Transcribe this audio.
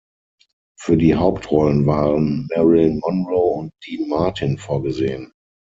Für die Hauptrollen waren Marilyn Monroe und Dean Martin vorgesehen.